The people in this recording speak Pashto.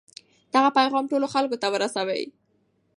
دغه پیغام ټولو خلکو ته ورسوئ.